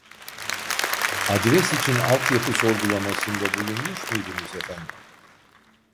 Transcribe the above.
Adres için alt yapı sorgulamasında bulunmuş muydunuz efendim